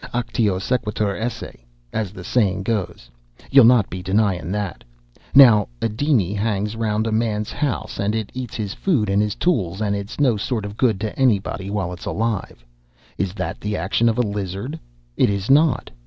Actio sequitur esse, as the sayin' goes. You'll not be denyin' that! Now, a diny hangs around a man's house and it eats his food and his tools and it's no sort of good to anybody while it's alive. Is that the action of a lizard? It is not!